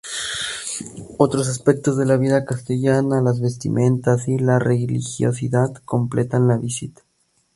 Otros aspectos de la vida castellana, las vestimentas y la religiosidad completan la visita.